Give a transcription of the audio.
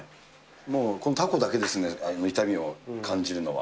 もうこのタコだけですね、痛みを感じるのは。